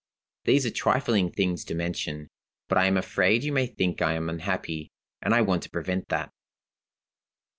"These are trifling things to mention, but I am afraid you may think I am unhappy and I want to prevent that.